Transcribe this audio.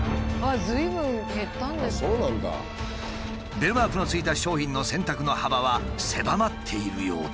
ベルマークのついた商品の選択の幅は狭まっているようだ。